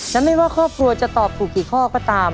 และไม่ว่าครอบครัวจะตอบถูกกี่ข้อก็ตาม